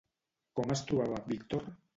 Com es trobava Víctor?